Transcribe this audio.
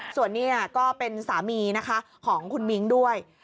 ส่วนนี้ก็เป็นสามีนะคะของคุณมิ้งด้วย